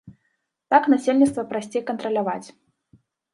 Так насельніцтва прасцей кантраляваць.